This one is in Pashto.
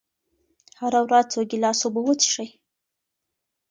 هره ورځ څو ګیلاسه اوبه وڅښئ.